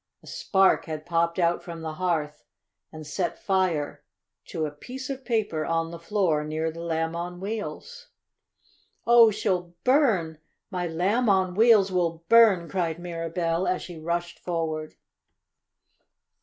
A spark had popped out from the hearth and set fire to a piece of paper on the floor near the Lamb on Wheels. "Oh, she'll burn! My Lamb on Wheels will burn!" cried Mirabell, as she rushed forward.